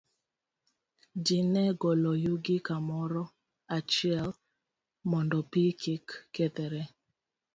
Ji ne golo yugi kamoro achiel mondo pi kik kethre.